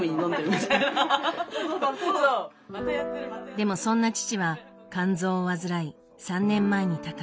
でもそんな父は肝臓を患い３年前に他界。